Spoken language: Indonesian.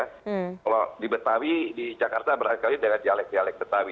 kalau di betawi di jakarta barangkali dengan dialek dialek betawi